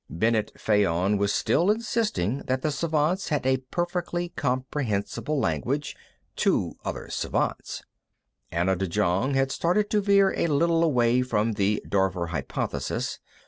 Bennet Fayon was still insisting that the Svants had a perfectly comprehensible language to other Svants. Anna de Jong had started to veer a little away from the Dorver Hypothesis.